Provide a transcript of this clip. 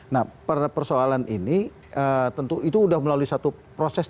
nah persoalan ini tentu itu sudah melalui satu proses